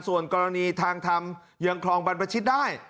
ส่วนกรณีทางธรรมยังคลองบรรพชิตได้